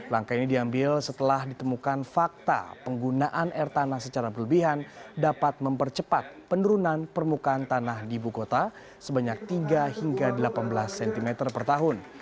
langkah ini diambil setelah ditemukan fakta penggunaan air tanah secara berlebihan dapat mempercepat penurunan permukaan tanah di ibu kota sebanyak tiga hingga delapan belas cm per tahun